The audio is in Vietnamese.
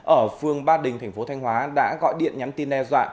ở phương ba đình tp thanh hóa đã gọi điện nhắn tin leo dọa